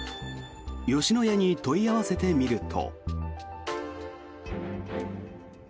吉野家に問い合わせてみると。